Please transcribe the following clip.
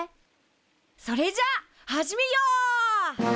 それじゃあ始めよう！